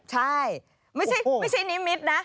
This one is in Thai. ใช่ไม่ใช่นิมิตรนะ